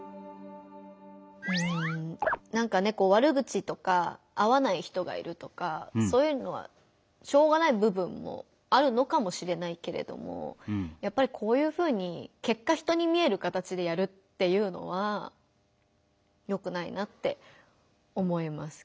うんなんかね悪口とか合わない人がいるとかそういうのはしょうがない部分もあるのかもしれないけれどもやっぱりこういうふうに結果人に見える形でやるっていうのはよくないなって思います。